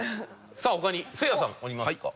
さあ他にせいやさんありますか？